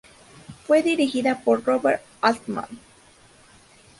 Fue dirigida por Robert Altman.